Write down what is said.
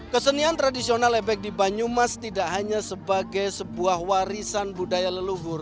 kesenian tradisional ebek di banyumas tidak hanya sebagai sebuah warisan budaya leluhur